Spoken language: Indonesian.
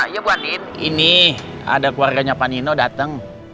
ya bu andin ini ada keluarganya pak nino dateng